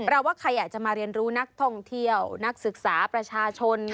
ว่าใครอยากจะมาเรียนรู้นักท่องเที่ยวนักศึกษาประชาชน